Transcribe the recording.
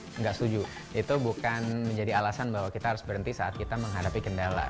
tidak setuju itu bukan menjadi alasan bahwa kita harus berhenti saat kita menghadapi kendala